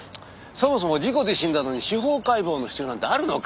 そもそも事故で死んだのに司法解剖の必要なんてあるのかね？